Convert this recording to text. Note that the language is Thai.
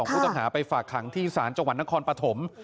ผู้ต้องหาไปฝากขังที่ศาลจังหวัดนครปฐม